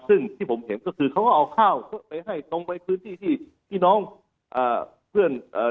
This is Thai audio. ซึ่งที่ผมเห็นก็คือเขาก็เอาข้าวไปให้ตรงไปพื้นที่ที่พี่น้องอ่าเพื่อนเอ่อ